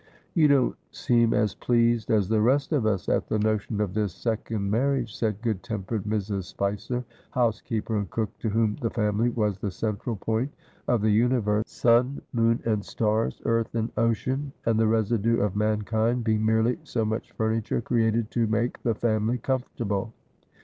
' You don't seem as pleased as the rest of us at the notion of this second marriage,' said good tempered Mrs. Spicer, house keeper and cook, to whom ' the family' was the central point of the universe ; sun, moon, and stars, earth and ocean, and the residue of mankind, being merely so much furniture created to make ' the family ' comfortable.